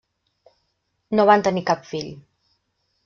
No van tenir cap fill.